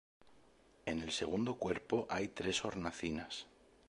En el segundo cuerpo hay tres hornacinas.